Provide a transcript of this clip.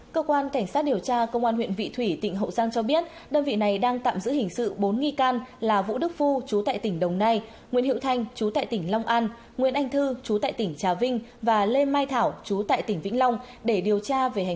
các bạn hãy đăng ký kênh để ủng hộ kênh của chúng mình nhé